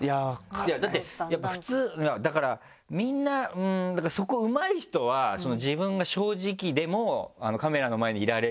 だってやっぱ普通だからみんなそこうまい人は自分が正直でもカメラの前にいられるからね